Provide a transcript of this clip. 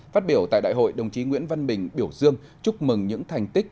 phát biểu tại đại hội đồng chí nguyễn văn bình biểu dương chúc mừng những thành tích